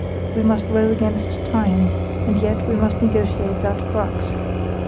We must row against time, and yet we must negotiate that crux.